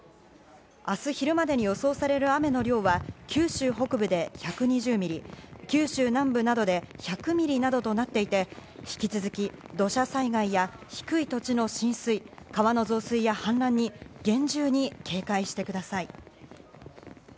明日、昼までに予想される雨の量は九州北部で１２０ミリ、九州南部などで１００ミリなどとなっていて、引き続き土砂災害や低い土地の浸水、川の増水や氾濫に厳重に警戒してください。